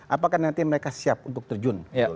apakah nanti mereka siap untuk terjun